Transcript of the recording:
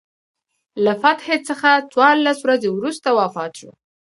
له فتحې څخه څوارلس ورځې وروسته وفات شو.